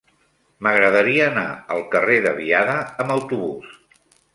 M'agradaria anar al carrer de Biada amb autobús.